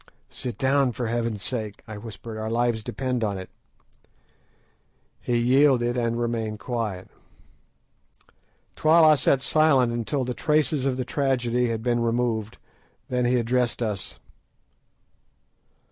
"Sit down, for heaven's sake," I whispered; "our lives depend on it." He yielded and remained quiet. Twala sat silent until the traces of the tragedy had been removed, then he addressed us.